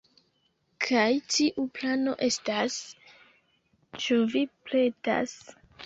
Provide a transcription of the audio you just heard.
Kaj tiu plano estas... ĉu vi pretas?